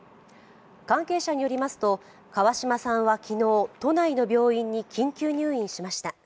関係者によりますと川嶋さんは昨日都内の病院に緊急入院しました。